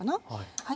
はい。